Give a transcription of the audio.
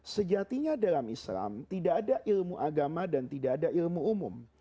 sejatinya dalam islam tidak ada ilmu agama dan tidak ada ilmu umum